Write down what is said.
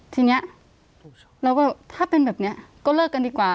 ทีนี้เราก็ถ้าเป็นแบบนี้ก็เลิกกันดีกว่า